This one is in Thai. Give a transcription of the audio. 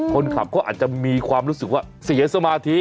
คนขับเขาอาจจะมีความรู้สึกว่าเสียสมาธิ